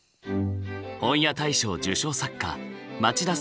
本屋大賞受賞作家町田